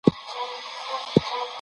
چي ته بېلېږې له